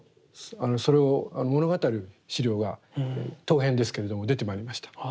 それを物語る資料が陶片ですけれども出てまいりました。